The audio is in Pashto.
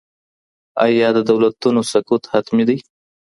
آیا د دولتونو سقوط حتمي دی؟